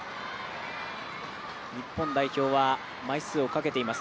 日本代表は枚数をかけています。